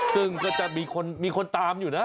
ซึ่งก็จะมีคนตามอยู่นะ